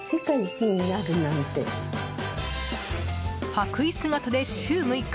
白衣姿で週６日